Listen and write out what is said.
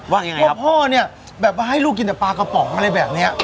ว่ายังไงเพราะพ่อเนี่ยแบบว่าให้ลูกกินแต่ปลากระป๋องอะไรแบบเนี้ย